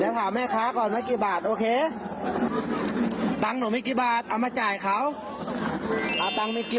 ยังถามให้ค่าก่อนไว้กี่บาทโอเคทั้งหนูมีกี่บาทเอามาจ่ายเขาตั้งมีกี่